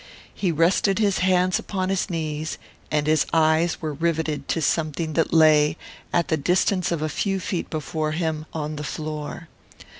He rested his hands upon his knees, and his eyes were riveted to something that lay, at the distance of a few feet before him, on the floor.